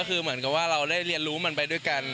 ก็คือเหมือนกับว่าเราได้เรียนรู้มันไปด้วยกัน